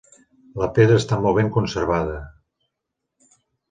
La pedra està molt ben conservada.